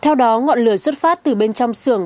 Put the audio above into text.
theo đó ngọn lửa xuất phát từ bên trong xưởng